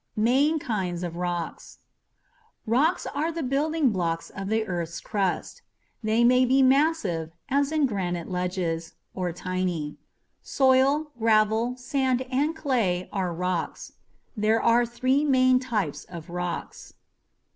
MAIN KINDS OF ROCKS Rocks are the building blocks of the earth's crust. They may be massive, as in granite ledges, or tiny. Soil, gravel, sand and clay are rocks. THERE ARE THREE MAIN TYPES OF ROCKS.